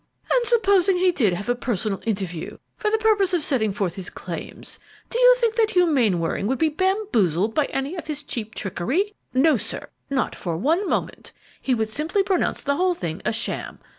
"And supposing he did have a personal interview for the purpose of setting forth his claims, do you think that Hugh Mainwaring would be bamboozled by any of his cheap trickery? No, sir, not for one moment. He would simply pronounce the whole thing a sham.